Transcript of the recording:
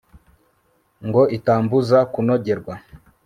ngo itambuza kunogerwa